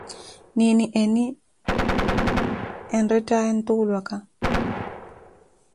Nini eni enrettaaye ntuulwaka?